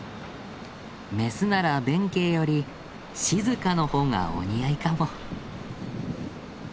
メスなら「べんけい」より「しずか」の方がお似合いかも。